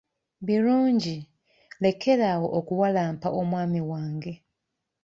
Birungi lekera awo okuwalampa omwami wange.